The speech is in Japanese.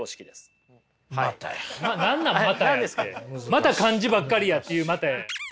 また漢字ばっかりやっていう「またや」。